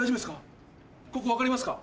ここ分かりますか？